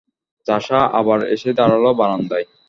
চাষা আবার এসে দাঁড়াল বারান্দায়।